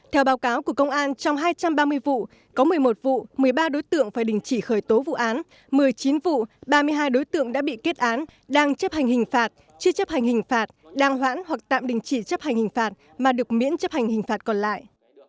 theo báo cáo của công an trong hai trăm ba mươi vụ có một mươi một vụ một mươi ba đối tượng phải đình chỉ khởi tố vụ án một mươi chín vụ ba mươi hai đối tượng đã bị kết án đang chấp hành hình phạt chưa chấp hành hình phạt đang hoãn hoặc tạm đình chỉ chấp hành hình phạt mà được miễn chấp hành hình phạt còn lại